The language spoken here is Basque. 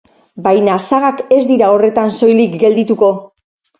Baina sagak ez dira horretan soilik geldituko.